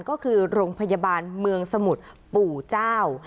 ก็คือโรงพยาบาลเมืองสมุทรปู่เจ้า